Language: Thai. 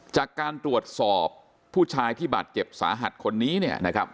จากการตรวจสอบผู้ชายที่บาดเจ็บสาหัสคนนี้เนี่ยนะครับ